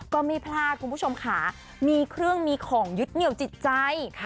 ก็ไม่พลาดคุณผู้ชมค่ะมีเครื่องมีของยึดเหนียวจิตใจ